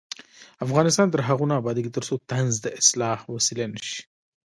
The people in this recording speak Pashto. افغانستان تر هغو نه ابادیږي، ترڅو طنز د اصلاح وسیله نشي.